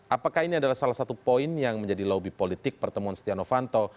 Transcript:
apakah ini adalah salah satu poin yang menjadi lobi politik pertemuan setinov fanto